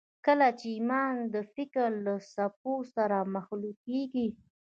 کله چې ايمان د فکر له څپو سره مخلوطېږي.